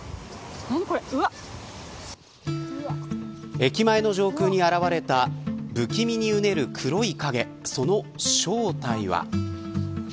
駅前の上空に現れた不気味にうねる黒い影その正体は。